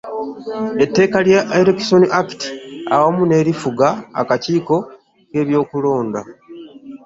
Etteeka lya Elections Act awamu n'erifuga akakiiko k'ebyokulonda.